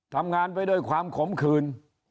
ทำงานไปด้วยความขมขืน